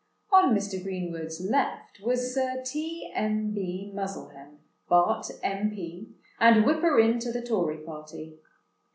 On Mr. Greenwood's left was Sir T. M. B. Muzzlehem, Bart., M.P., and Whipper in to the Tory party.